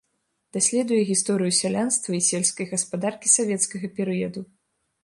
Даследуе гісторыю сялянства і сельскай гаспадаркі савецкага перыяду.